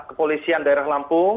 kepolisian daerah lampung